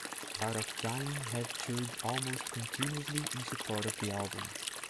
Art of Dying have toured almost continuously in support of the album.